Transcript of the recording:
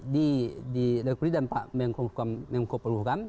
dan pak mengkopul hukam